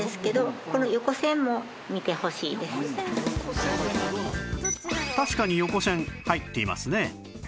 この確かに横線入っていますね